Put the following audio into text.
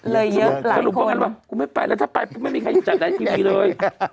เลยเยอะหลายคนสรุปบอกกันว่ากูไม่ไปแล้วถ้าไปก็ไม่มีใครจัดได้ทีพีเลย